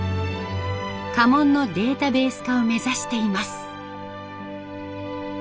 家紋のデータベース化を目指しています。